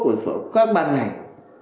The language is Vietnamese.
của các ban ngành